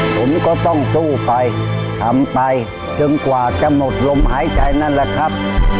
ผมก็ต้องสู้ไปทำไปจนกว่าจะหมดลมหายใจนั่นแหละครับ